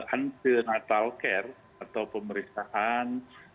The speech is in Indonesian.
anti natal care atau pemeriksaan